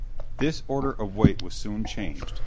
This order of weight was soon changed.